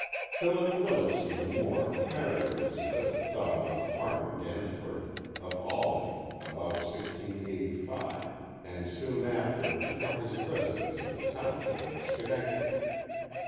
Philip Phillipse de Moer married Elizabeth, daughter of Harmon Ganzevoort, of Albany, about 1685, and soon after took up his residence in the township of Schenectady.